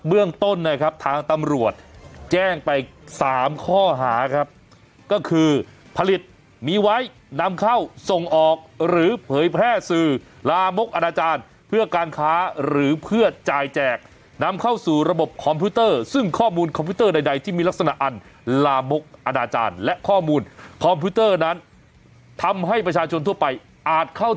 เรื่องต้นนะครับทางตำรวจแจ้งไป๓ข้อหาครับก็คือผลิตมีไว้นำเข้าส่งออกหรือเผยแพร่สื่อลามกอนาจารย์เพื่อการค้าหรือเพื่อจ่ายแจกนำเข้าสู่ระบบคอมพิวเตอร์ซึ่งข้อมูลคอมพิวเตอร์ใดที่มีลักษณะอันลามกอนาจารย์และข้อมูลคอมพิวเตอร์นั้นทำให้ประชาชนทั่วไปอาจเข้า